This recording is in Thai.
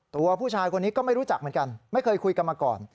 ตัวผู้ชายคนนี้ก็ไม่รู้จักเหมือนกันไม่เคยคุยกันมาก่อน